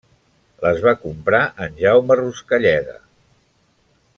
Les va comprar en Jaume Ruscalleda.